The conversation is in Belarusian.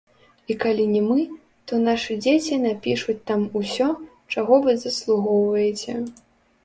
І калі не мы, то нашы дзеці напішуць там усё, чаго вы заслугоўваеце.